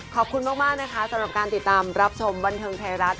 ขอบคุณขอบคุณมากสำหรับการติดตามรับชมบรรเทิงไทยรัฐ